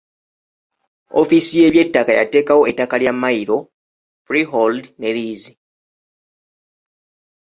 Ofiisi y’eby'ettaka yateekawo ettaka lya mmayiro, freehold ne liizi.